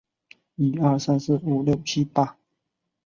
遭受地震无情的打击